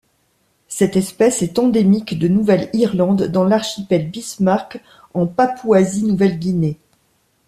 Cette espèce est endémique de Nouvelle-Irlande dans l'archipel Bismarck en Papouasie-Nouvelle-Guinée.